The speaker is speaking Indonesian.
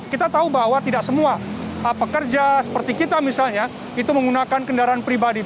kita tahu bahwa tidak semua pekerja seperti kita misalnya itu menggunakan kendaraan pribadi